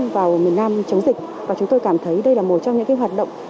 vào miền nam chống dịch và chúng tôi cảm thấy đây là một trong những hoạt động